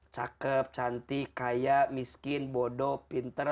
cakep cantik kaya miskin bodoh pinter